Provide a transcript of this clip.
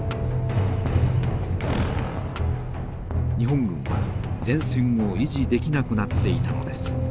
日本軍は前線を維持できなくなっていたのです。